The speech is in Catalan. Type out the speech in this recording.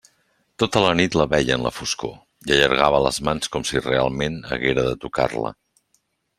Tota la nit la veia en la foscor, i allargava les mans com si realment haguera de tocar-la.